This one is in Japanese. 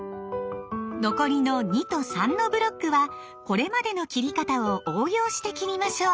残りの２と３のブロックはこれまでの切り方を応用して切りましょう！